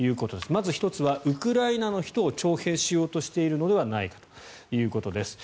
まず１つはウクライナの人を徴兵しようとしているのではないかということです。